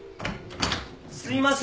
・・すいません